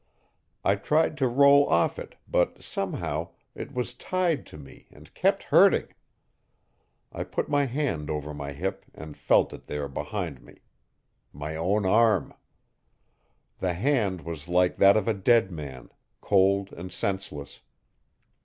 I tried to roll off it, but somehow, it was tied to me and kept hurting. I put my hand over my hip and felt it there behind me my own arm! The hand was like that of a dead man cold and senseless.